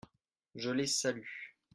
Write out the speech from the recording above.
Je les salue.